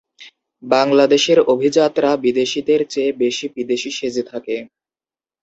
বাংলাদেশের অভিজাতরা বিদেশিদের চেয়ে বেশি বিদেশি সেজে থাকে।